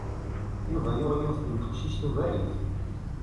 Yuba yuɣ yiwet n teqcict tugar-it.